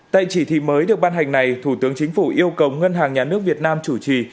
tại chỉ thị mới được ban hành này thủ tướng chính phủ yêu cầu ngân hàng nhà nước việt nam chủ trì